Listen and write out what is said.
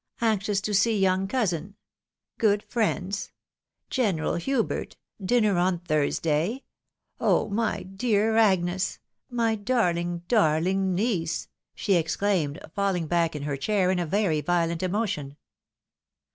— anxious to see young cousin! — good friends! — General Hubert! — dinner on Thursday! — Oh! my dear Agnes !'— my darhng, darling niece !" she exclaimed, falling back in her chair in very violent emotion.